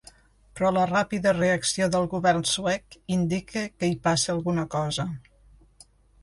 Però la ràpida reacció del govern suec indica que hi passa alguna cosa.